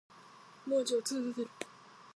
文字を綴る。